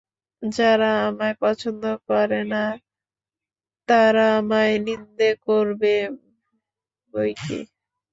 যারা আমায় পছন্দ করে না তারা আমায় নিন্দে করবে বৈকি।